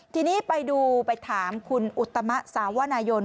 ทีนี้ไปดูไปถามคุณอุตมะสาวนายน